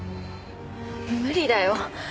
無理だよ。